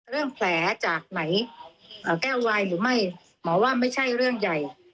แผลจากไหนแก้ววายหรือไม่หมอว่าไม่ใช่เรื่องใหญ่